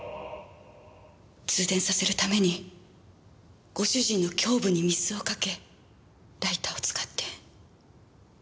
通電させるためにご主人の胸部に水をかけライターを使って。